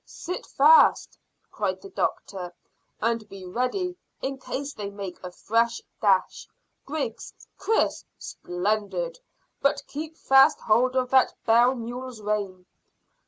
"Sit fast," cried the doctor, "and be ready in case they make a fresh dash. Griggs! Chris! splendid; but keep fast hold of that bell mule's rein."